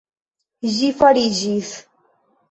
Ĝi fariĝis!